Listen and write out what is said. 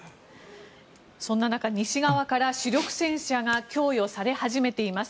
そんな中、西側から主力戦車が供与され始めています。